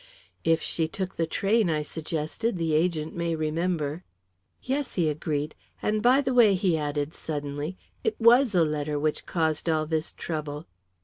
"If she took the train," I suggested, "the agent may remember." "Yes," he agreed. "And by the way," he added suddenly, "it was a letter which caused all this trouble."